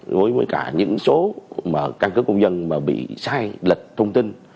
với cả những số căn cứ công dân mà bị sai lịch thông tin